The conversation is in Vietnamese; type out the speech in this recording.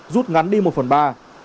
rút ngắn đi một phần ba